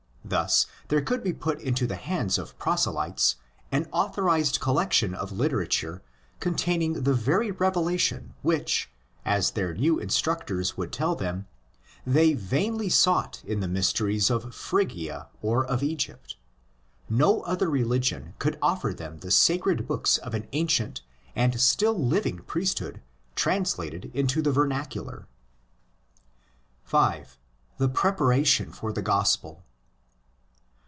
Thus there could be put into the hands of proselytes an authorised collection of literature containing the very revelation which, as their new instructors would tell them, they vainly sought in the mysteries of Phrygia or of Egypt. No other religion could offer them the sacred books of an ancient and still living priesthood translated into the vernacular. 5.—The Preparation for the Gospel.